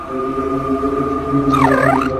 তুমি খুবই ভালো।